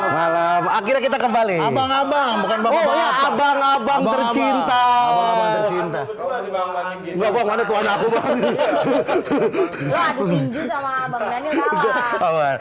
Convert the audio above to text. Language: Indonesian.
malam akhirnya kita kembali abang abang abang abang tercinta